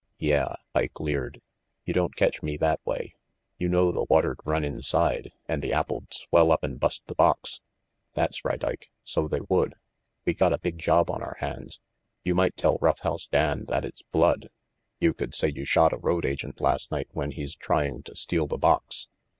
"Yeah," Ike leered. "You don't catch me that way. You know the water'd run inside, and the apples'd swell up and bust the box." "That's right, Ike, so they would. We got a big job on our hands. You might tell Rough House Dan that it's blood. You could say you shot a road agent last night when he's trying to steal the box.